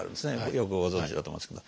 よくご存じだと思いますけど。